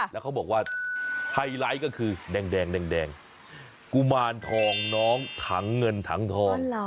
แล้วเขาบอกว่าไฮไลท์ก็คือแดงกุมารทองน้องถังเงินถังทอง